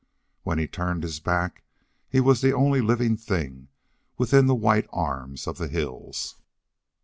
When he turned his back he was the only living thing within the white arms of the hills.